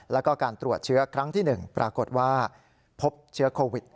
แล้วก็การตรวจเชื้อครั้งที่๑ปรากฏว่าพบเชื้อโควิด